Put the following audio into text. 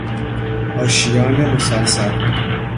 آشیان مسلسل